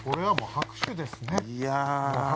拍手です。